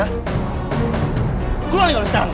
keluar ya lo sekarang